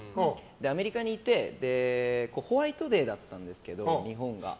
アメリカにいてホワイトデーだったんですけど日本が。